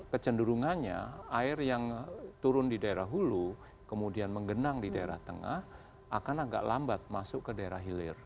kecenderungannya air yang turun di daerah hulu kemudian menggenang di daerah tengah akan agak lambat masuk ke daerah hilir